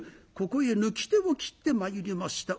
ここへ抜き手を切ってまいりました